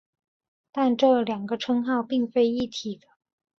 但这两个称号并非一体的。